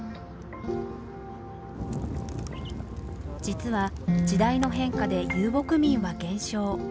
実は時代の変化で遊牧民は減少。